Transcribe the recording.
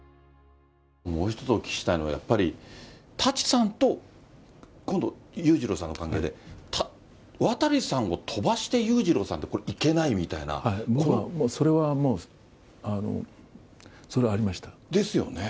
もう一つお聞きしたいのは、やっぱり、舘さんと今度、裕次郎さんの関係で、渡さんを飛ばして裕次郎さんって、これ、僕は、それはもう、それはあですよね。